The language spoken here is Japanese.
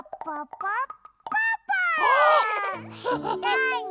なに？